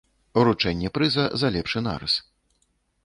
Уручэнне прыза за лепшы нарыс.